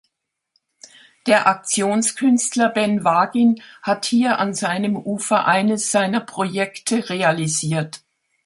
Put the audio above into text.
Der Aktionskünstler Ben Wagin hat hier an seinem Ufer eines seiner Projekte realisiert.